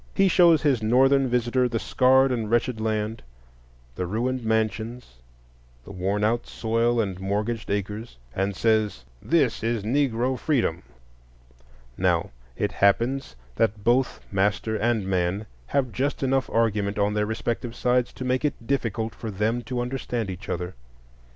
He shows his Northern visitor the scarred and wretched land; the ruined mansions, the worn out soil and mortgaged acres, and says, This is Negro freedom! Now it happens that both master and man have just enough argument on their respective sides to make it difficult for them to understand each other.